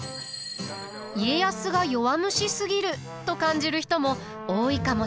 家康が弱虫すぎると感じる人も多いかもしれません。